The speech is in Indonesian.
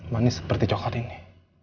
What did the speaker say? manis seperti coklat ini